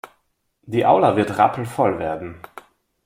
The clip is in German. Die Aula wird rappelvoll werden.